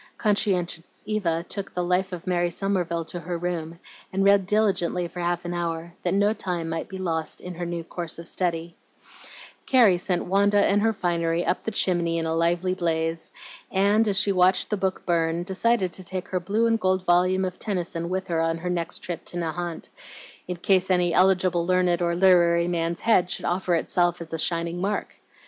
Conscientious Eva took the Life of Mary Somerville to her room, and read diligently for half an hour, that no time might be lost in her new course of study, Carrie sent Wanda and her finery up the chimney in a lively blaze, and, as she watched the book burn, decided to take her blue and gold volume of Tennyson with her on her next trip to Nahant, in case any eligible learned or literary man's head should offer itself as a shining mark.